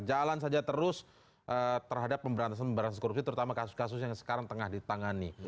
jalan saja terus terhadap pemberantasan pemberantasan korupsi terutama kasus kasus yang sekarang tengah ditangani